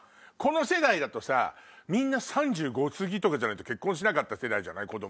この世代だとさみんな３５すぎとかじゃないと結婚しなかった世代じゃない？